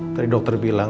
tadi dokter bilang